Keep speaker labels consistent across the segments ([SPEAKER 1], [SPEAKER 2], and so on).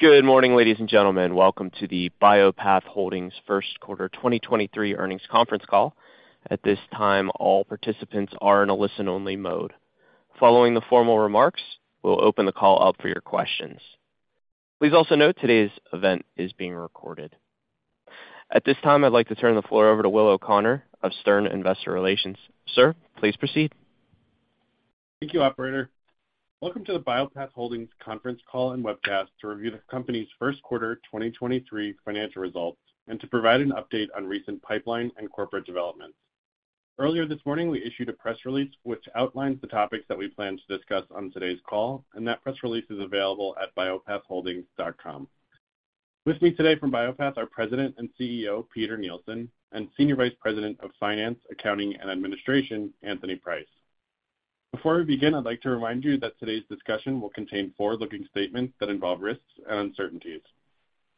[SPEAKER 1] Good morning, ladies and gentlemen. Welcome to the Bio-Path Holdings Q1 2023 earnings conference call. At this time, all participants are in a listen-only mode. Following the formal remarks, we'll open the call up for your questions. Please also note today's event is being recorded. At this time, I'd like to turn the floor over to Will O'Connor of Stern Investor Relations. Sir, please proceed.
[SPEAKER 2] Thank you, operator. Welcome to the Bio-Path Holdings conference call and webcast to review the company's Q1 2023 financial results and to provide an update on recent pipeline and corporate developments. Earlier this morning, we issued a press release which outlines the topics that we plan to discuss on today's call. That press release is available at biopathholdings.com. With me today from Bio-Path are President and CEO Peter Nielsen and Senior Vice President of Finance, Accounting, and Administration Anthony Price. Before we begin, I'd like to remind you that today's discussion will contain forward-looking statements that involve risks and uncertainties.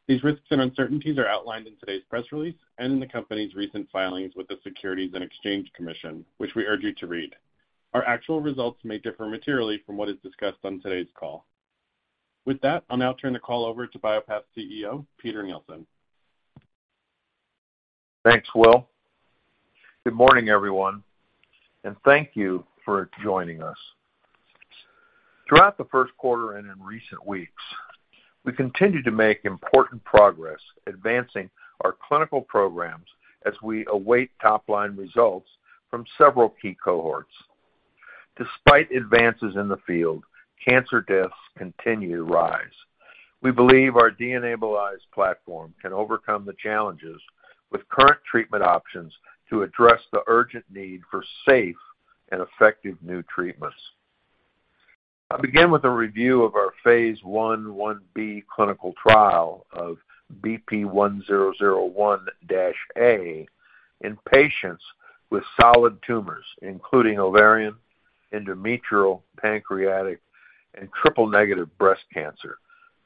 [SPEAKER 2] These risks and uncertainties are outlined in today's press release and in the company's recent filings with the Securities and Exchange Commission, which we urge you to read. Our actual results may differ materially from what is discussed on today's call. With that, I'll now turn the call over to Bio-Path's CEO, Peter Nielsen.
[SPEAKER 3] Thanks, Will. Good morning, everyone, thank you for joining us. Throughout the 1st quarter and in recent weeks, we continued to make important progress advancing our clinical programs as we await top-line results from several key cohorts. Despite advances in the field, cancer deaths continue to rise. We believe our DNAbilize platform can overcome the challenges with current treatment options to address the urgent need for safe and effective new treatments. I'll begin with a review of our phase I, 1B clinical trial of BP1001-A in patients with solid tumors, including ovarian, endometrial, pancreatic, and triple-negative breast cancer,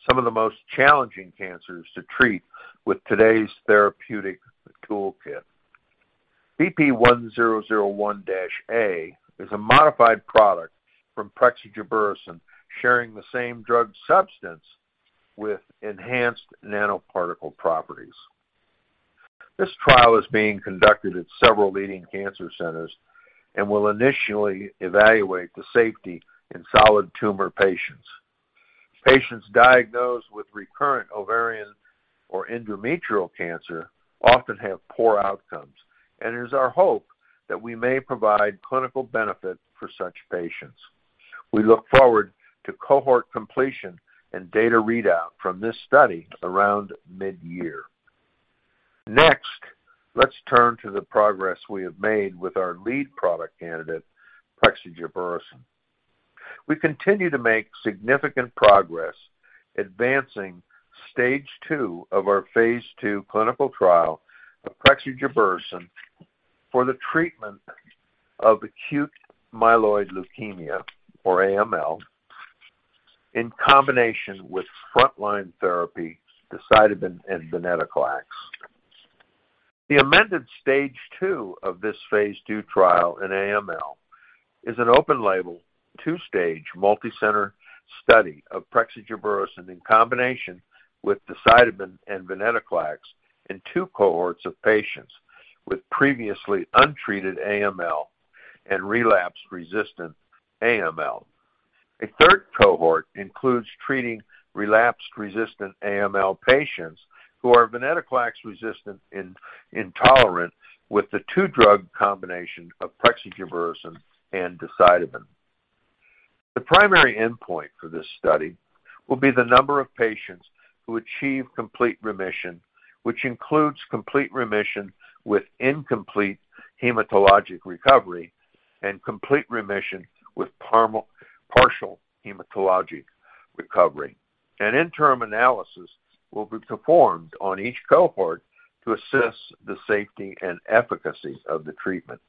[SPEAKER 3] some of the most challenging cancers to treat with today's therapeutic toolkit. BP1001-A is a modified product from prexigebersen sharing the same drug substance with enhanced nanoparticle properties. This trial is being conducted at several leading cancer centers and will initially evaluate the safety in solid tumor patients. Patients diagnosed with recurrent ovarian or endometrial cancer often have poor outcomes, and it is our hope that we may provide clinical benefit for such patients. We look forward to cohort completion and data readout from this study around mid-year. Next, let's turn to the progress we have made with our lead product candidate, prexigebersen. We continue to make significant progress advancing stage two of our phase II clinical trial of prexigebersen for the treatment of acute myeloid leukemia or AML in combination with frontline therapy decitabine and venetoclax. The amended stage two of this phase II trial in AML is an open label, two-stage, multi-center study of prexigebersen in combination with decitabine and venetoclax in two cohorts of patients with previously untreated AML and relapse-resistant AML. A third cohort includes treating relapsed-resistant AML patients who are venetoclax resistant in tolerant with the two-drug combination of prexigebersen and decitabine. The primary endpoint for this study will be the number of patients who achieve complete remission, which includes complete remission with incomplete hematologic recovery and complete remission with partial hematologic recovery. An interim analysis will be performed on each cohort to assess the safety and efficacy of the treatment.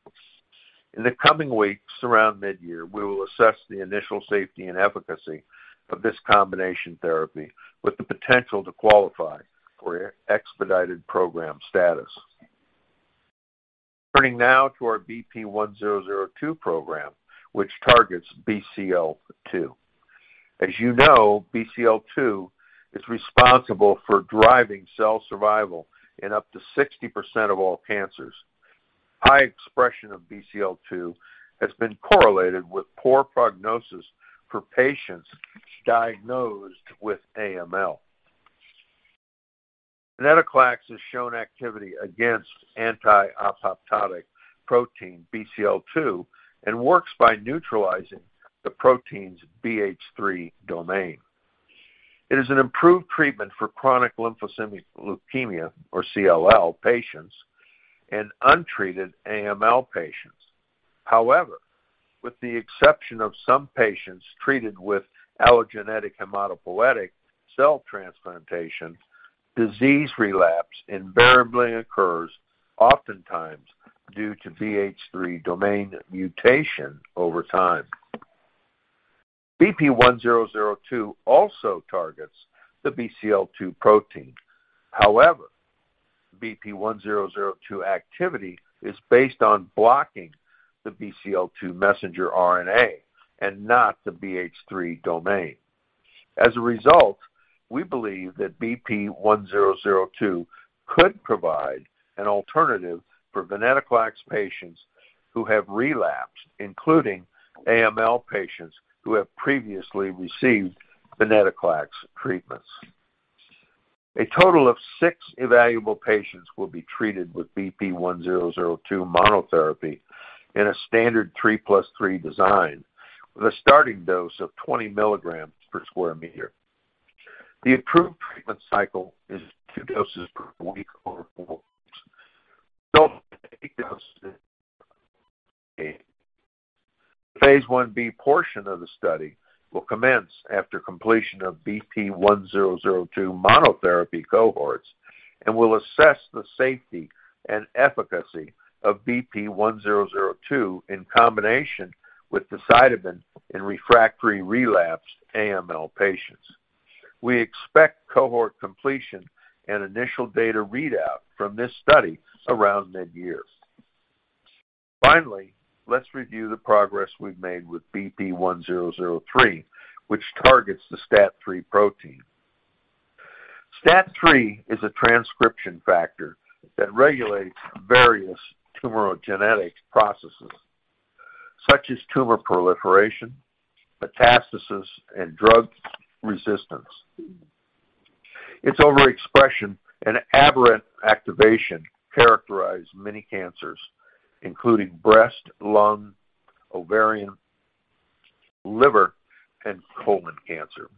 [SPEAKER 3] In the coming weeks, around mid-year, we will assess the initial safety and efficacy of this combination therapy with the potential to qualify for expedited program status. Turning now to our BP1002 program, which targets Bcl-2. As you know, Bcl-2 is responsible for driving cell survival in up to 60% of all cancers. High expression of Bcl-2 has been correlated with poor prognosis for patients diagnosed with AML. Venetoclax has shown activity against anti-apoptotic protein Bcl-2 and works by neutralizing the protein's BH3 domain. It is an improved treatment for chronic lymphocytic leukemia or CLL patients and untreated AML patients. With the exception of some patients treated with allogeneic hematopoietic cell transplantation, disease relapse invariably occurs oftentimes due to BH3 gene mutation over time. BP1002 also targets the Bcl-2 protein. BP1002 activity is based on blocking the Bcl-2 messenger RNA and not the BH3 domain. As a result, we believe that BP1002 could provide an alternative for venetoclax patients who have relapsed, including AML patients who have previously received venetoclax treatments. A total of six evaluable patients will be treated with BP1002 monotherapy in a standard 3+3 design with a starting dose of 20 milligrams per square meter. The approved treatment cycle is two doses per week over four. The phase Ib portion of the study will commence after completion of BP1002 monotherapy cohorts and will assess the safety and efficacy of BP1002 in combination with decitabine in refractory relapsed AML patients. We expect cohort completion and initial data readout from this study around mid-year. Let's review the progress we've made with BP1003, which targets the STAT3 protein. STAT3 is a transcription factor that regulates various tumorogenic processes such as tumor proliferation, metastasis, and drug resistance. Its overexpression and aberrant activation characterize many cancers, including breast, lung, ovarian, liver, and colon cancer.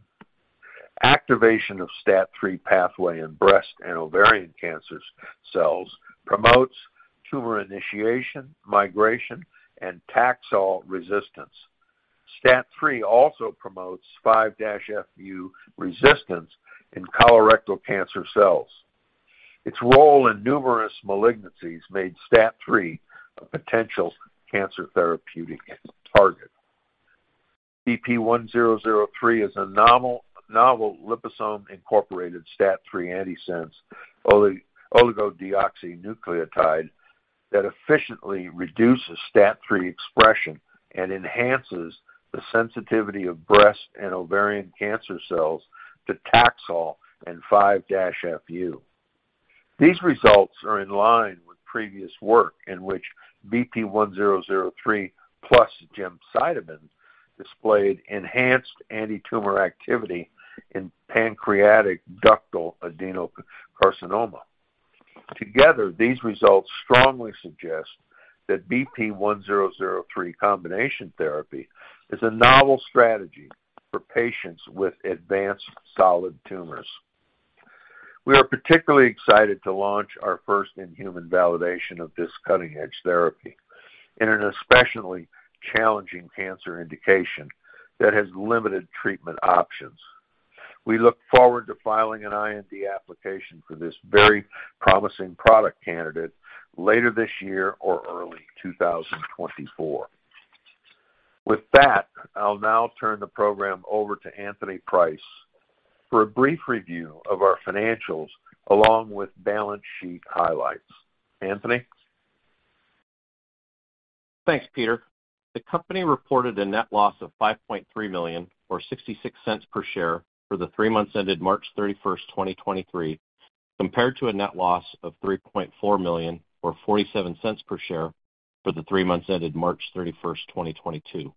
[SPEAKER 3] Activation of STAT3 pathway in breast and ovarian cancers cells promotes tumor initiation, migration, and Taxol resistance. STAT3 also promotes 5-FU resistance in colorectal cancer cells. Its role in numerous malignancies made STAT3 a potential cancer therapeutic target. BP1003 is a novel liposome-incorporated STAT3 antisense oligodeoxynucleotide that efficiently reduces STAT3 expression and enhances the sensitivity of breast and ovarian cancer cells to Taxol and 5-FU. These results are in line with previous work in which BP1003 plus gemcitabine displayed enhanced antitumor activity in pancreatic ductal adenocarcinoma. These results strongly suggest that BP1003 combination therapy is a novel strategy for patients with advanced solid tumors. We are particularly excited to launch our first-in-human validation of this cutting-edge therapy in an especially challenging cancer indication that has limited treatment options. We look forward to filing an IND application for this very promising product candidate later this year or early 2024. I'll now turn the program over to Anthony Price for a brief review of our financials along with balance sheet highlights. Anthony?
[SPEAKER 4] Thanks, Peter. The company reported a net loss of $5.3 million or $0.66 per share for the three months ended March 31, 2023, compared to a net loss of $3.4 million or $0.47 per share for the three months ended 31 March 2022.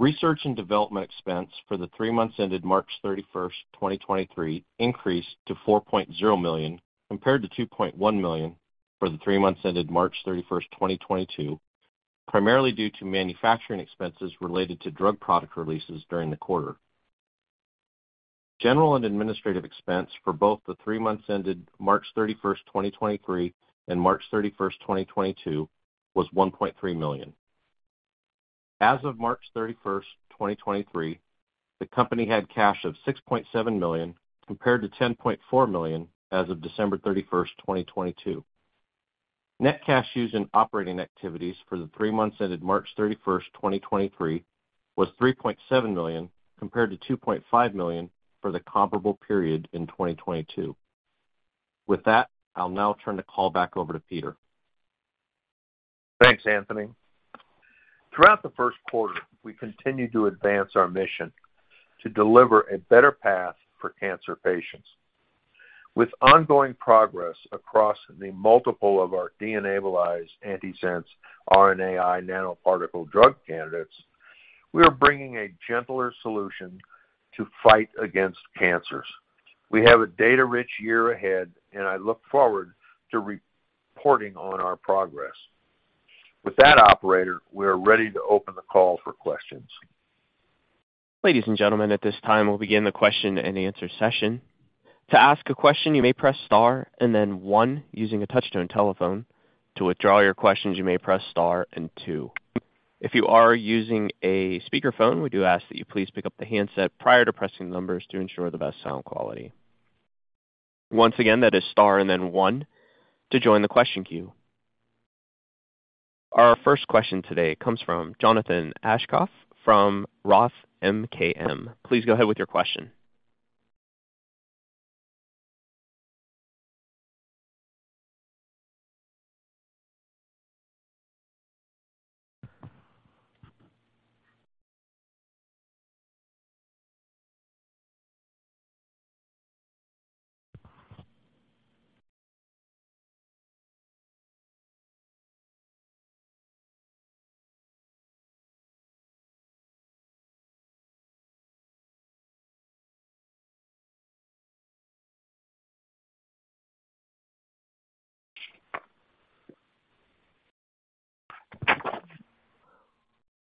[SPEAKER 4] Research and development expense for the three months ended March 31, 2023, increased to $4.0 million compared to $2.1 million for the three months ended 31 March 2022, primarily due to manufacturing expenses related to drug product releases during the quarter. General and administrative expense for both the three months ended 31 March 2023, and 31 March 2022, was $1.3 million. As of March 31, 2023, the company had cash of $6.7 million, compared to $10.4 million as of 31 December 2022. Net cash used in operating activities for the three months ended 31 March 2023, was $3.7 million, compared to $2.5 million for the comparable period in 2022. With that, I'll now turn the call back over to Peter.
[SPEAKER 3] Thanks, Anthony. Throughout the Q1, we continued to advance our mission to deliver a better path for cancer patients. With ongoing progress across the multiple of our DNAbilize antisense RNAi nanoparticle drug candidates, we are bringing a gentler solution to fight against cancers. We have a data-rich year ahead, and I look forward to reporting on our progress. With that, operator, we are ready to open the call for questions.
[SPEAKER 1] Ladies and gentlemen, at this time, we'll begin the question and answer session. To ask a question, you may press star and then one using a touch-tone telephone. To withdraw your questions, you may press star and two. If you are using a speakerphone, we do ask that you please pick up the handset prior to pressing numbers to ensure the best sound quality. Once again, that is star and then one to join the question queue. Our first question today comes from Jonathan Aschoff from ROTH MKM. Please go ahead with your question.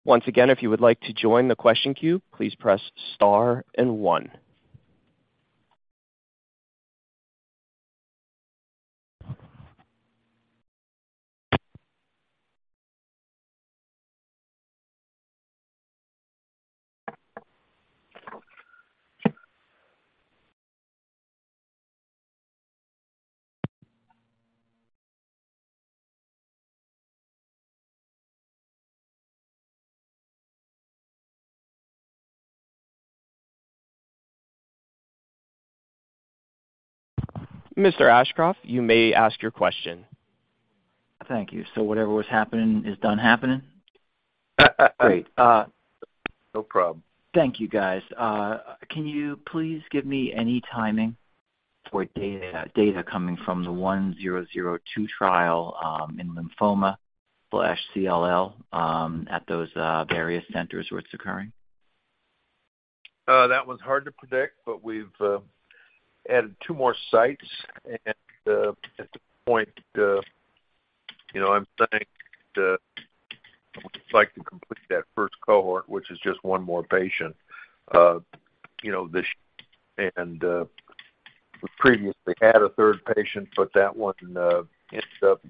[SPEAKER 1] Once again, if you would like to join the question queue, please press star and one. Mr. Aschoff, you may ask your question.
[SPEAKER 5] Thank you. Whatever was happening is done happening?
[SPEAKER 3] Uh, uh,
[SPEAKER 5] Great.
[SPEAKER 3] No problem.
[SPEAKER 5] Thank you, guys. Can you please give me any timing for data coming from the 1002 trial, in lymphoma/CLL, at those various centers where it's occurring?
[SPEAKER 3] That one's hard to predict, but we've added two more sites and at this point, you know, I'm thinking, I would just like to complete that first cohort, which is just one more patient. You know, this and we previously had a third patient, but that one ended up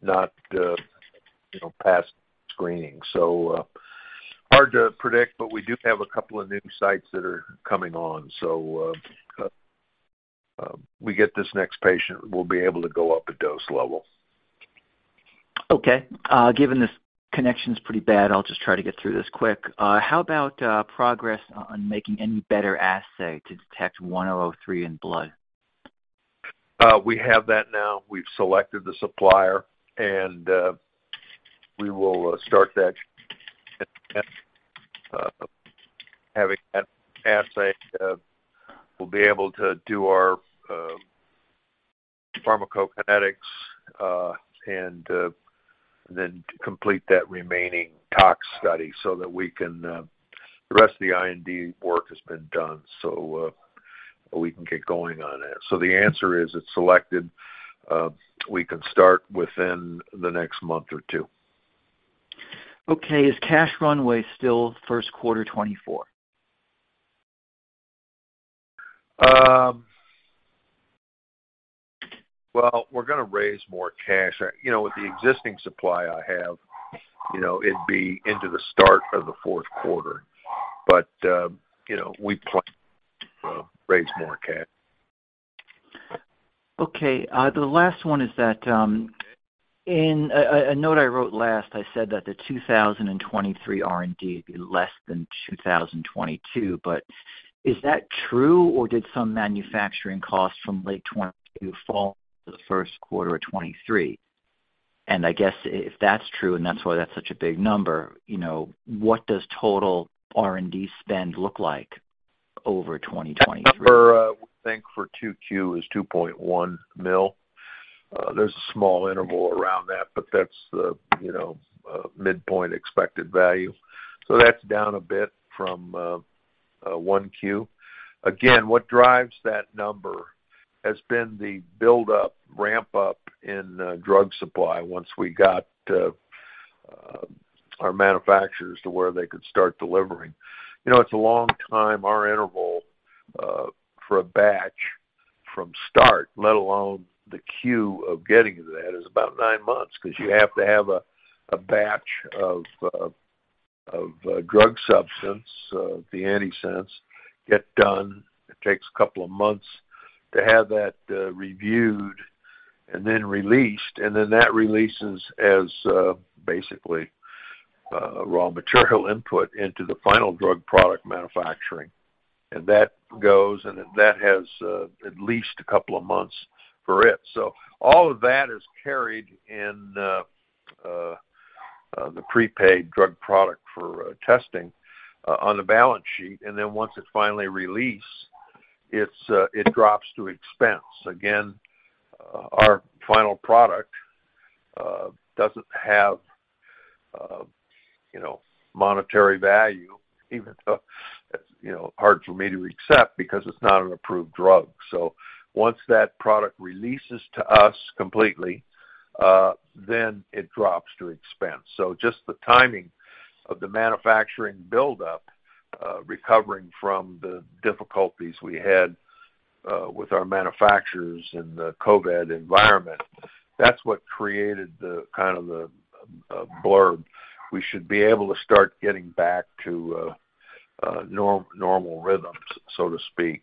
[SPEAKER 3] not, you know, passed screening. Hard to predict, but we do have a couple of new sites that are coming on. We get this next patient, we'll be able to go up a dose level.
[SPEAKER 5] Given this connection's pretty bad, I'll just try to get through this quick. How about progress on making any better assay to detect BP1003 in blood?
[SPEAKER 3] We have that now. We've selected the supplier, and we will start that. Having that assay, we'll be able to do our pharmacokinetics and then complete that remaining tox study so that we can. The rest of the IND work has been done, so we can get going on it. The answer is, it's selected. We can start within the next month or two.
[SPEAKER 5] Okay. Is cash runway still Q1 2024?
[SPEAKER 3] Well, we're gonna raise more cash. You know, with the existing supply I have, you know, it'd be into the start of the fourth quarter. You know, we plan to raise more cash.
[SPEAKER 5] Okay. The last one is that, in a note I wrote last, I said that the 2023 R&D would be less than 2022. Is that true, or did some manufacturing costs from late 2022 fall into the Q1 of 2023? I guess if that's true, and that's why that's such a big number, you know, what does total R&D spend look like over 2023?
[SPEAKER 3] That number, we think for 2Q is $2.1 million. There's a small interval around that, but that's the, you know, midpoint expected value. That's down a bit from 1Q. Again, what drives that number has been the buildup, ramp up in drug supply once we got our manufacturers to where they could start delivering. You know, it's a long time. Our interval for a batch from start, let alone the queue of getting to that is about 9 months 'cause you have to have a batch of drug substance, the antisense, get done. It takes a couple of months to have that reviewed and then released, and then that releases as basically raw material input into the final drug product manufacturing. That goes, and then that has at least a couple of months for it. All of that is carried in the prepaid drug product for testing on the balance sheet. Once it's finally released, it drops to expense. Again, our final product doesn't have, you know, monetary value even though it's, you know, hard for me to accept because it's not an approved drug. Once that product releases to us completely, then it drops to expense. Just the timing of the manufacturing buildup, recovering from the difficulties we had with our manufacturers in the COVID environment, that's what created the, kind of the blurb. We should be able to start getting back to normal rhythms, so to speak,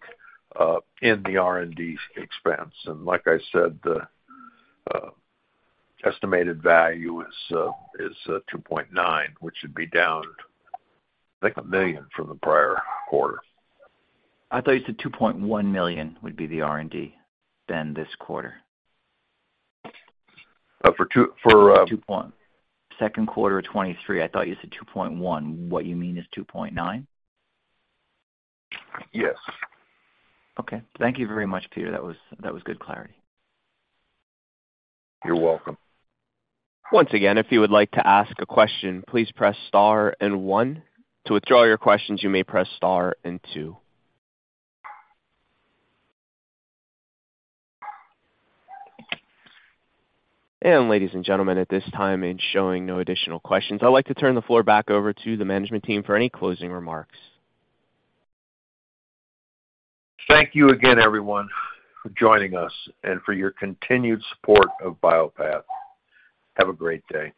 [SPEAKER 3] in the R&D expense. Like I said, the estimated value is $2.9, which would be down, I think, $1 million from the prior quarter.
[SPEAKER 5] I thought you said $2.1 million would be the R&D then this quarter.
[SPEAKER 3] Uh, for two-- for, uh-
[SPEAKER 5] Two point. Second quarter of 2023, I thought you said 2.1. What you mean is 2.9?
[SPEAKER 3] Yes.
[SPEAKER 5] Okay. Thank you very much, Peter. That was good clarity.
[SPEAKER 3] You're welcome.
[SPEAKER 1] Once again, if you would like to ask a question, please press star and 1. To withdraw your questions, you may press star and 2. Ladies and gentlemen, at this time, it's showing no additional questions. I'd like to turn the floor back over to the management team for any closing remarks.
[SPEAKER 3] Thank you again, everyone, for joining us and for your continued support of Bio-Path. Have a great day.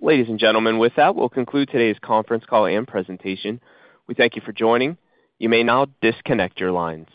[SPEAKER 1] Ladies and gentlemen, with that, we'll conclude today's conference call and presentation. We thank you for joining. You may now disconnect your lines.